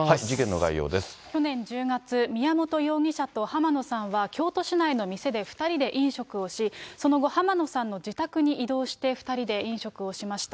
去年１０月、宮本容疑者と浜野さんは京都市内の店で２人で飲食をし、その後、浜野さんの自宅に移動して、２人で飲食をしました。